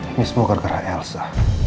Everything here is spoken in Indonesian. ini semua gara gara elsa